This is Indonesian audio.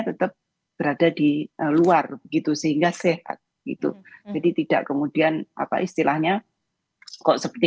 tetap berada di luar begitu sehingga sehat gitu jadi tidak kemudian apa istilahnya kok seperti